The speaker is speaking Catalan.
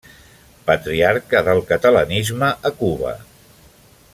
Patriarca del catalanisme a Cuba.